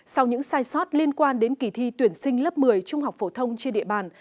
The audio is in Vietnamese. sau những sai sót liên quan đến kỳ thi tuyển sinh lớp một mươi trung học phổ thông trên địa bàn